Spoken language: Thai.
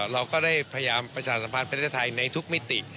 เราก็ได้พยายามประชาสัมพันธ์ประเทศไทยในทุกมิติ